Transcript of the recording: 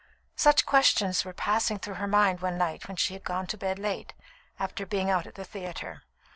Such questions were passing through her mind one night when she had gone to bed late, after being out at the theatre.